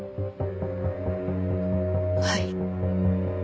はい。